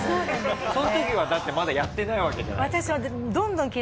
その時はだってまだやってないわけじゃない？